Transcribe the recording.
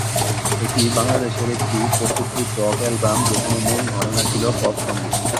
এটি বাংলাদেশের একটি পথিকৃৎ রক অ্যালবাম যেখানে মূল ঘরানা ছিল পপ সংগীত।